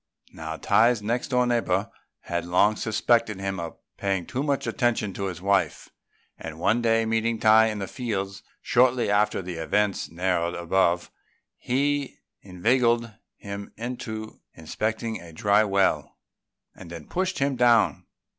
Now Tai's next door neighbour had long suspected him of paying too much attention to his wife; and one day meeting Tai in the fields shortly after the events narrated above, he inveigled him into inspecting a dry well, and then pushed him down.